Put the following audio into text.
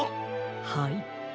はい。